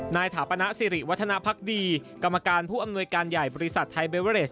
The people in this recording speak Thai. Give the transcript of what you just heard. ถาปณะสิริวัฒนภักดีกรรมการผู้อำนวยการใหญ่บริษัทไทยเบเวอเรส